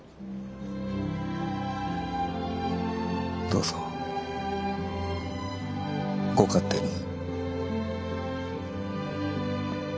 どうぞご勝手に。